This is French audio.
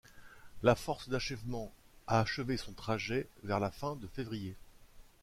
La Force d'achèvement a achevé son trajet vers la fin de février.